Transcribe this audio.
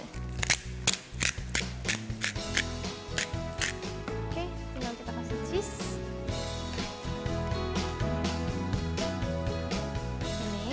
tinggal kita kasih cheese